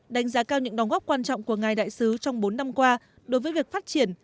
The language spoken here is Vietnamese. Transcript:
đánh giá cao những đóng góp quan trọng của ngài đại sứ trong bốn năm qua đối với việc phát triển